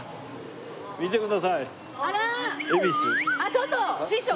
ちょっと師匠！